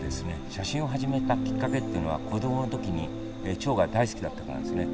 写真を始めたきっかけっていうのは子供の時にチョウが大好きだったからですね。